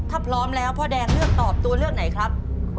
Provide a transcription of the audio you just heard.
ถ้าพร้อมแล้วพ่อแดงเลือกตอบตัวเลือกไหนครับ